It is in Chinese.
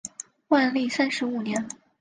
万历三十五年。